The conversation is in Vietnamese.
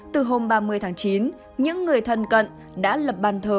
từ hôm ba mươi tháng chín những người thân cận đã lập bàn thờ